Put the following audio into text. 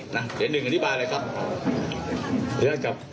เดี๋ยวหนึ่งอธิบายเลยครับ